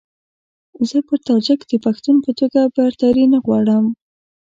زه پر تاجک د پښتون په توګه برتري نه غواړم.